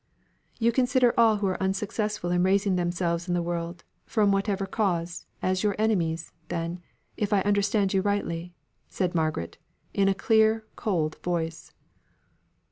"You consider all who are unsuccessful in raising themselves in the world, from whatever cause, as your enemies, then, if I understand you rightly," said Margaret, in a clear, cold voice.